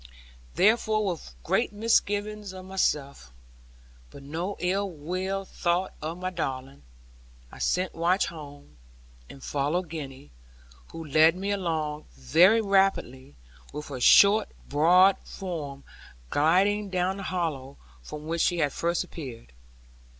Therefore, with great misgiving of myself, but no ill thought of my darling, I sent Watch home, and followed Gwenny; who led me along very rapidly, with her short broad form gliding down the hollow, from which she had first appeared.